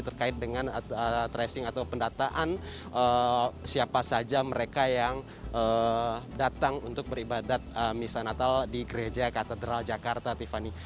terkait dengan tracing atau pendataan siapa saja mereka yang datang untuk beribadat misa natal di gereja katedral jakarta tiffany